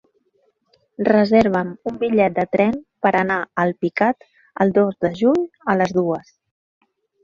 Reserva'm un bitllet de tren per anar a Alpicat el dos de juny a les dues.